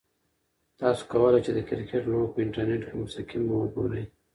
تاسو کولای شئ چې د کرکټ لوبه په انټرنیټ کې په مستقیم وګورئ.